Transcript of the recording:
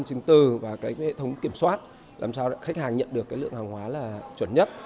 trình tư và hệ thống kiểm soát làm sao khách hàng nhận được lượng hàng hóa là chuẩn nhất